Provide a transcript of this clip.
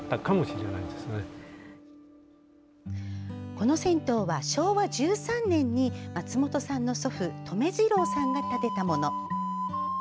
この銭湯は昭和１３年に松本さんの祖父・留次郎さんが建てたもの。